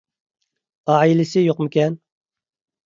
ئائىلىسى يوقمىكەن؟